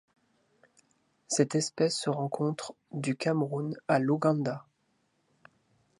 Cette espèce se rencontre du Cameroun à l'Ouganda.